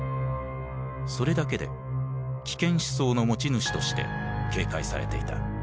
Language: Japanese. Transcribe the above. それだけで危険思想の持ち主として警戒されていた。